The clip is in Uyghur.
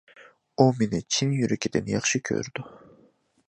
ئۇ مېنى چىن يۈرىكىدىن ياخشى كۆرىدۇ.